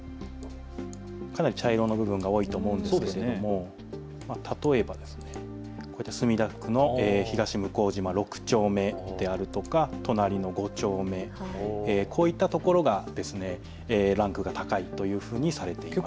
かなり茶色の部分が多いと思うんですけれども、例えばこういった墨田区の東向島六丁目であるとか隣の五丁目、こういったところがランクが高いというふうにさされています。